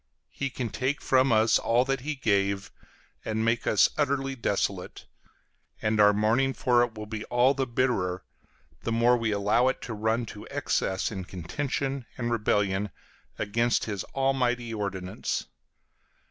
He can take from us all that he gave, and make us utterly desolate; and our mourning for it will be all the bitterer, the more we allow it to run to excess in contention and rebellion against his almighty ordinance.